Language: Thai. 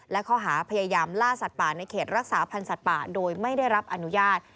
และข้อหาพยายามล่าสัตว์ป่าในเขตรักษาพันธ์สัตว์ป่าโดยไม่ได้รับอนุญาต